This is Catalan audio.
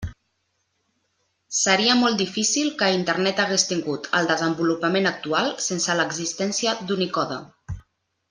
Seria molt difícil que Internet hagués tingut el desenvolupament actual sense l'existència d'Unicode.